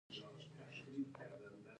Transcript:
دې بېلتون یا تجزیه ممکنه کړه